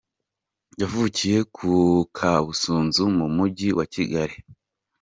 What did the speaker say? Yavukiye ku Kabusunzu mu Mujyi wa Kigali.